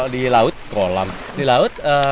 di laut kolam di laut